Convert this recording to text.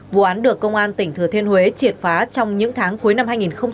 vụ án được công an tỉnh thừa thiên huế triệt phá trong những tháng cuối năm hai nghìn hai mươi ba